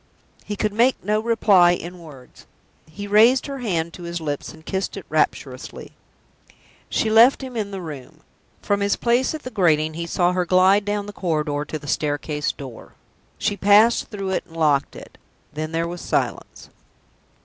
He could make no reply in words. He raised her hand to his lips, and kissed it rapturously. She left him in the room. From his place at the grating he saw her glide down the corridor to the staircase door. She passed through it, and locked it. Then there was silence.